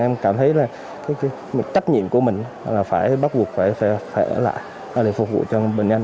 em cảm thấy là cái trách nhiệm của mình là phải bắt buộc phải ở lại để phục vụ cho bệnh nhân